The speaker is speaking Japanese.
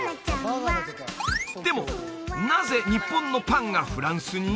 でもなぜ日本のパンがフランスに？